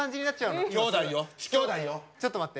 ちょっと待って！